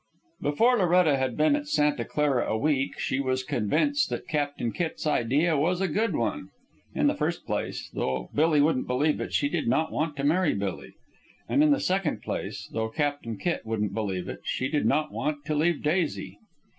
Before Loretta had been at Santa Clara a week, she was convinced that Captain Kitt's idea was a good one. In the first place, though Billy wouldn't believe it, she did not want to marry Billy. And in the second place, though Captain Kitt wouldn't believe it, she did not want to leave Daisy.